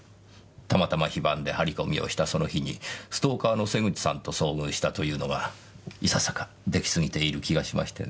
たまたま非番で張り込みをしたその日にストーカーの瀬口さんと遭遇したというのがいささか出来すぎている気がしましてね。